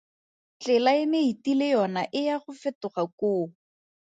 Tlelaemete le yona e ya go fetoga koo.